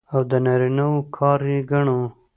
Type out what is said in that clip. او د نارينه وو کار يې ګڼو.